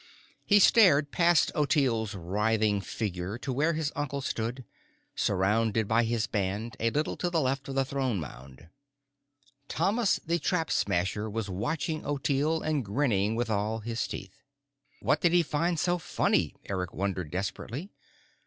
He stared past Ottilie's writhing figure to where his uncle stood, surrounded by his band, a little to the left of the Throne Mound. Thomas the Trap Smasher was watching Ottilie and grinning with all his teeth. What did he find so funny, Eric wondered desperately?